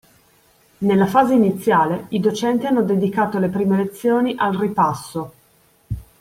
Nella fase iniziale i Docenti hanno dedicato le prime lezioni al ripasso